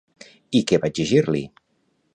I què va exigir-li?